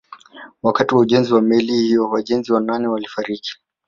Wakati wa ujenzi wa meli hiyo wajenzi wanane walifariki